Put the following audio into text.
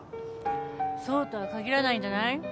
そうとは限らないんじゃない？